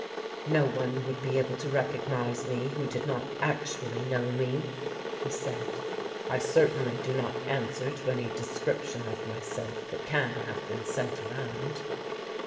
"No one would be able to recognise me, who did not actually know me," he said. "I certainly do not answer to any description of myself that can have been sent around."